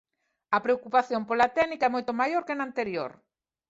A preocupación pola técnica é moito maior que no anterior.